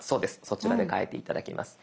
そちらで変えて頂きます。